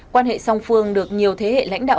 quan hệ song phương được nhiều thế hệ lãnh đạo